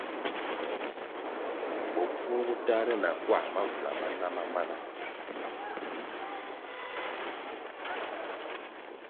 Bopfuo bo tahre na kwā mawula ma na ma mana.